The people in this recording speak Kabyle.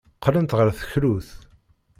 Qqlent ɣer teklut.